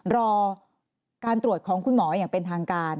รอการตรวจของคุณหมออย่างเป็นทางการ